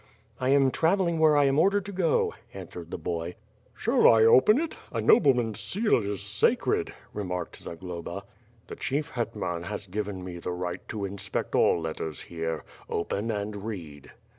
"I am travelling where I am ordered to go," answered the boy. Shall I open it? A nobleman's seal is sacred," remarked Zagloba. "The Chief ITetman has given me the right to inspect all letters here. Open and read."